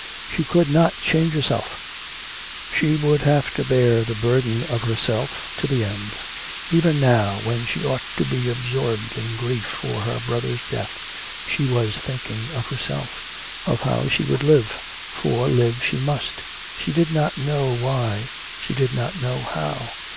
She could not change herself, she would have to bear the burden of herself to the end. Even now, when she ought to be absorbed in grief for her brother's death she was thinking of herself, of how she should live, for live she must; she did not know why, she did not know how.